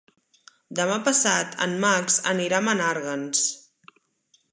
Demà passat en Max anirà a Menàrguens.